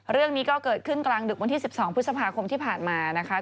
เรื่องนี้ก็เกิดขึ้นกลางดึกวันที่๑๒พฤษภาคมที่ผ่านมานะคะ